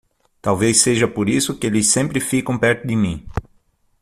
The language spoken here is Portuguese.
Talvez seja por isso que eles sempre ficam perto de mim.